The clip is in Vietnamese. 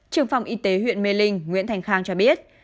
trường phòng y tế huyện mê linh nguyễn thành khang cho biết